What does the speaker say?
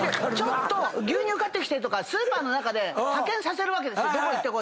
牛乳買ってきてとかスーパーの中で派遣させるわけですよ。